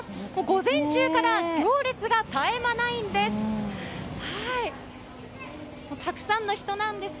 午前中から行列が絶えまないんです。